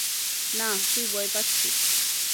না, তুই ভয় পাচ্ছিস।